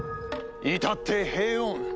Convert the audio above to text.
至って平穏。